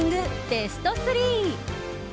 ベスト３。